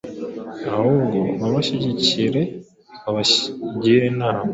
ahubwo babashyigikire babagire inama.”